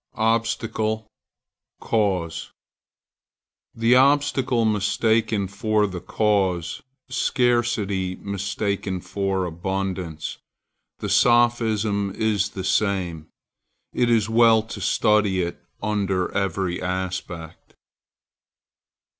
OBSTACLE CAUSE. The obstacle mistaken for the cause scarcity mistaken for abundance. The sophism is the same. It is well to study it under every aspect.